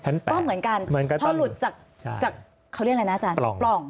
ก็เหมือนกันเหมือนกันพอหลุดจากเขาเรียกอะไรนะอาจารย์ปล่อง